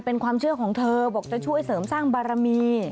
เธอบอกว่าเจ้าตอนนั่นก็ช่วยเสริมสร้างบารมี